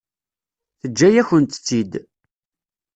Teǧǧa-yakent-tt-id.